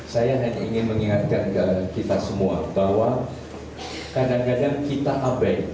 saya hanya ingin mengingatkan ke kita semua bahwa kadang kadang kita abai